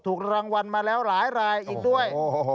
ถูกรางวัลมาแล้วหลายรายอีกด้วย